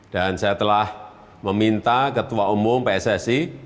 dan saya telah meminta ketua umum pssi